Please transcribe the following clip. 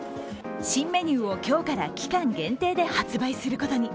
新メニューを今日から期間限定で発売することに。